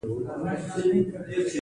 دا کارونه ډېر وخت او پخه تجربه غواړي.